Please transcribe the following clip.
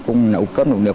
cùng nấu cơm nấu nước